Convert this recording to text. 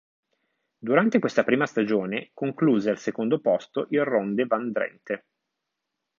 Durante questa prima stagione concluse al secondo posto il Ronde van Drenthe.